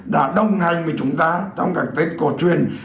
đã đồng hành với chúng ta trong cái tết cổ truyền